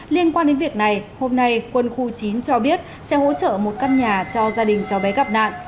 liên quan đến việc này hôm nay quân khu chín cho biết sẽ hỗ trợ một căn nhà cho gia đình cháu bé gặp nạn